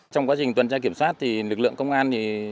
trong quá trình tuần tra kiểm soát thì lực lượng công an